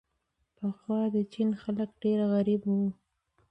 پخوا د چین خلک ډېر غریب وو.